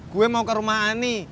gue mau ke rumah ani